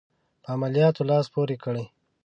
په عملیاتو لاس پوري کړي.